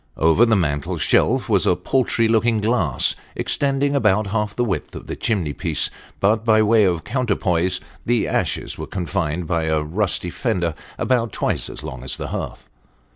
Over the mantelshelf was a paltry looking glass, extending about half the width of the chimney piece ; but by way of counterpoise, the asheg were confined by a rusty fender about twice as long as the hearth.